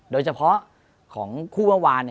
โดยเฉพาะของคู่เมื่อวาน